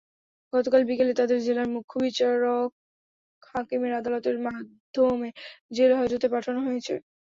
গতকাল বিকেলে তাঁদের জেলার মুখ্য বিচারিক হাকিমের আদালতের মাধ্যমে জেলহাজতে পাঠানো হয়েছে।